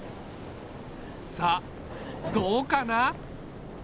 さあどうかな？